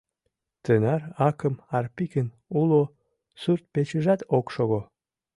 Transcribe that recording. Тынар акым Арпикын уло сурт-печыжат ок шого.